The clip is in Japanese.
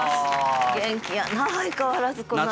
元気やな相変わらずこの暑い。